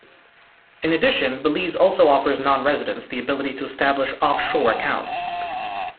In addition, Belize also offers nonresidents the ability to establish offshore accounts.